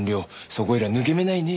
そこいら抜け目ないね。